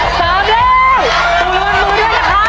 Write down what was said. เปลี่ยนได้